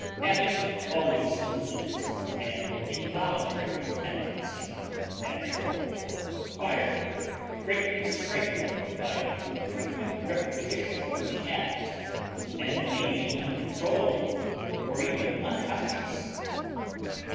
Habit always includes an involuntary tendency, natural or acquired, greatly strengthened by frequent repetition of the act, and may be uncontrollable, or even unconscious.